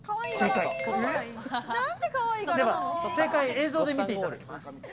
映像で見ていただきます。